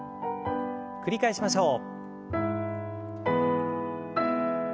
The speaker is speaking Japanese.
繰り返しましょう。